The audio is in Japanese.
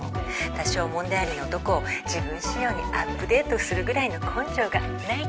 多少問題ありの男を自分仕様にアップデートするぐらいの根性がないと。